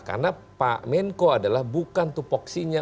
karena pak menko adalah bukan tupoksinya